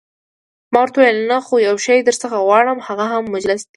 ما ورته وویل: نه، خو یو شی درڅخه غواړم، هغه هم مجلس دی.